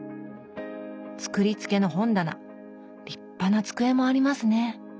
作りつけの本棚立派な机もありますね